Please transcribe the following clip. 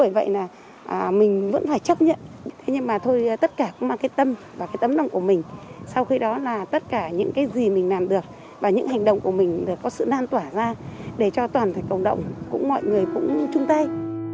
vậy là mình vẫn phải chấp nhận thế nhưng mà thôi tất cả cũng mang cái tâm và cái tấm lòng của mình sau khi đó là tất cả những cái gì mình làm được và những hành động của mình có sự lan tỏa ra để cho toàn thể cộng đồng cũng mọi người cũng chung tay